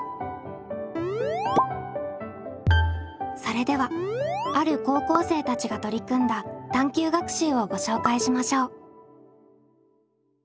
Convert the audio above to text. それではある高校生たちが取り組んだ探究学習をご紹介しましょう。